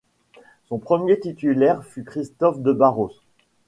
Son premier titulaire fut Christophe de Barros.